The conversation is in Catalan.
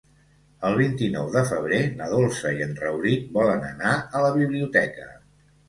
El vint-i-nou de febrer na Dolça i en Rauric volen anar a la biblioteca.